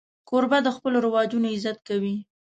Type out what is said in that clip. کوربه د خپلو رواجونو عزت کوي.